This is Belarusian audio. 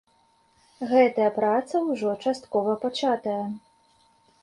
Гэтая праца ўжо часткова пачатая.